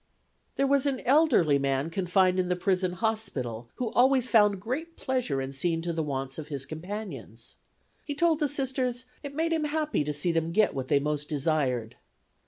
There was an elderly man confined in the prison hospital who always found great pleasure in seeing to the wants of his companions. He told the Sisters it made him happy to see them get what they most desired.